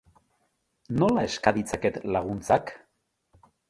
Nola eska ditzaket laguntzak?